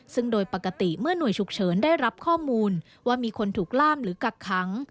ซึ่งโดยปกติเมื่อหน่วยฉุกเฉินได้รับข้อมูลว่ามีคนถูกล่ามหรือกักขัง